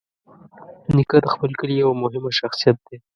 نیکه د خپل کلي یوه مهمه شخصیت دی.